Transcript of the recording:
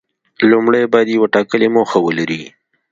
لومړی باید یوه ټاکلې موخه ولري.